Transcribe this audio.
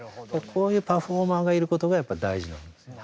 こういうパフォーマーがいることがやっぱり大事なんですよね。